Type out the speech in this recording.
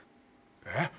えっ？